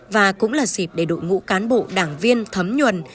và cũng là dịp để đội ngũ cán bộ đảng viên thấm nhuần